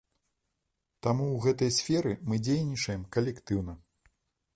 Таму ў гэтай сферы мы дзейнічаем калектыўна.